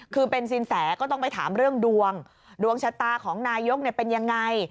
คือเป็นสินแสก็ต้องไปถามเรื่องดวงดวงชะตาของนายกเป็นยังไง